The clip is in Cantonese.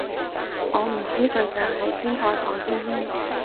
我唔知佢想喺天台講啲咩